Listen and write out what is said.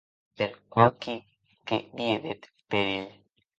Per aquiu que vie eth perilh.